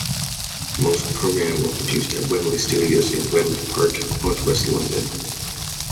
Most programmes were produced at Wembley Studios in Wembley Park, north-west London.